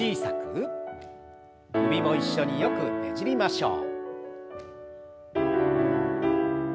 首も一緒によくねじりましょう。